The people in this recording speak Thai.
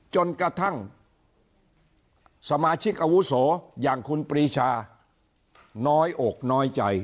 จนกระทั่งสมาชิกอาวุโสอย่างคุณปรีชาน้อยอกน้อยใจ